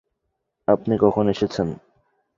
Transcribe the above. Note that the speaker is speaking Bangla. আপনি কখন এসেছেন?